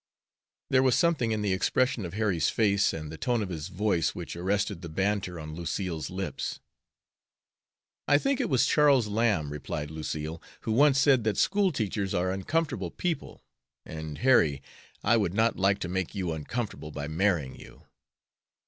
There was something in the expression of Harry's face and the tone of his voice which arrested the banter on Lucille's lips. "I think it was Charles Lamb," replied Lucille, "who once said that school teachers are uncomfortable people, and, Harry, I would not like to make you uncomfortable by marrying you."